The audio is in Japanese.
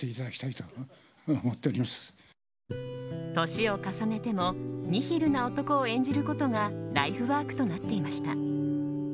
年を重ねてもニヒルな男を演じることがライフワークとなっていました。